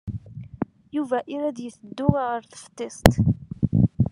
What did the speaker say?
Yuba ira ad yeddu ɣer teftist.